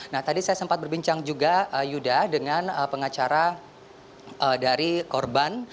nah tadi saya sempat berbincang juga yuda dengan pengacara dari korban